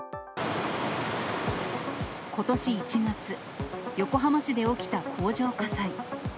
ことし１月、横浜市で起きた工場火災。